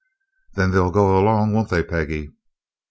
"Then they'll go alone, won't they, Peggy?"